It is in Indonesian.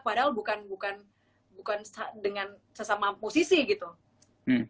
padahal bukan dengan sesama musisi gitu